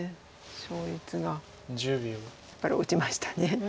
勝率がやっぱり落ちました。